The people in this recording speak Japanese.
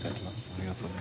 ・ありがとね。